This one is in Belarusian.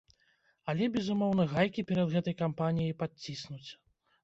Але, безумоўна, гайкі перад гэтай кампаніяй падціснуць.